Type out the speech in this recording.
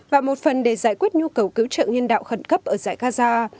và một phần để giải quyết nhu cầu cứu trợ nhân đạo khẩn cấp ở dãy gaza